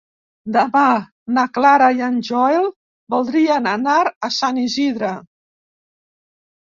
Demà na Clara i en Joel voldrien anar a Sant Isidre.